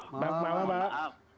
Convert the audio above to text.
selamat malam pak